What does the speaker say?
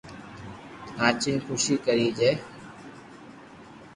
ناچين خوسي ڪري جي